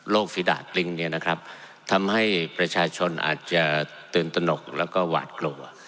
ฝีดาดลิงเนี่ยนะครับทำให้ประชาชนอาจจะตื่นตนกแล้วก็หวาดกลัว